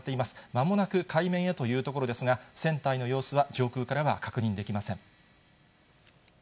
まもなく海面へというところですが、船体の様子は上空からは確認できません。